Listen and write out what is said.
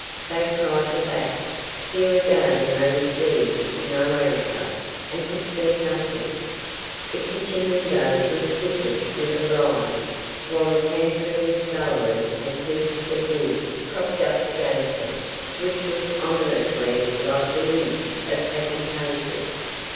They tried the back. Here again they received no answer, and could see nothing; the kitchen window was fitted with a blind, while the pantry and scullery had pieces of wood propped up against them, which looked ominously like the lids of packing cases.